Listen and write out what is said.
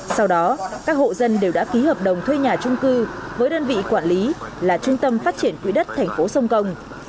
sau đó các hộ dân đều đã ký hợp đồng thuê nhà trung cư với đơn vị quản lý là trung tâm phát triển quỹ đất tp sông công